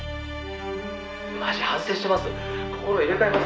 「マジ反省してます！